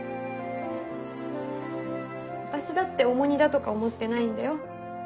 私だって重荷だとか思ってないんだよ。